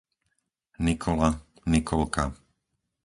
Nikola, Nikolka